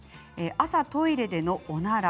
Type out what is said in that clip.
朝、トイレでのおなら。